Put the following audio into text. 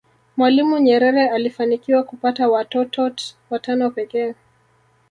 mwalimu nyerere alifanikiwa kupata watotot watano pekee